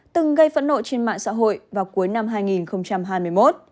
từng gây phẫn nộ trên mạng xã hội vào cuối năm hai nghìn hai mươi một